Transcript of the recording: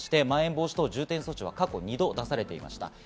まん延防止等重点措置は過去２度出されていました。